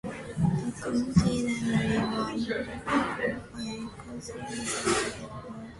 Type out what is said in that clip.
A community library run by the council is located on Broadway.